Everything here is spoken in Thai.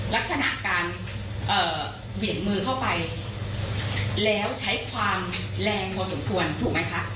ลักษณะการเหวี่ยงมือเข้าไปแล้วใช้ความแรงพอสมควรถูกไหมคะ